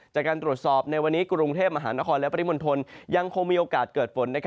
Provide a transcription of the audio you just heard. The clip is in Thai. จากการตรวจสอบในวันนี้กรุงเทพมหานครและปริมณฑลยังคงมีโอกาสเกิดฝน